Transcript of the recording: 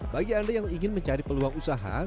bagi anda yang ingin mencari peluang usaha